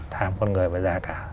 tham con người với giá cả